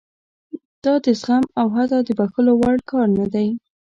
دا د زغم او حتی د بښلو وړ کار نه دی.